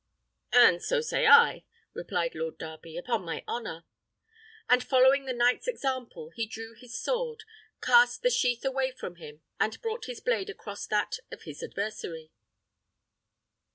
"And so say I," replied Lord Darby, "upon my honour;" and following the knight's example, he drew his sword, cast the sheath away from him, and brought his blade across that of his adversary.